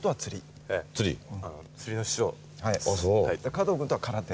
加藤君とは空手。